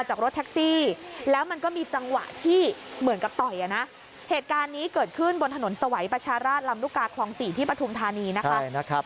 ชาราชรำลูกกาลของศรีที่ประธุมธานีใช่นะครับ